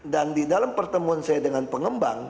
dan di dalam pertemuan saya dengan pengembang